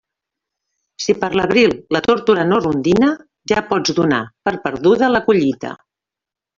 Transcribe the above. Si per l'abril la tórtora no rondina, ja pots donar per perduda la collita.